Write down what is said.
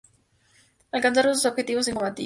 Alcanzaron su objetivo sin combatir.